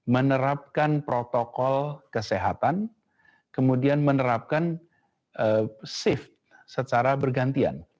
menerapkan protokol kesehatan kemudian menerapkan shift secara bergantian